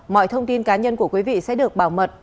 mọi thông tin cá nhân của quý vị sẽ được bảo mật